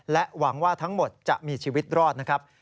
หวังว่าทั้งหมดจะมีชีวิตรอดนะครับ